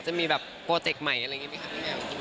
จะมีแบบโปรเจกต์ใหม่อะไรอย่างนี้ไหมคะพี่แมว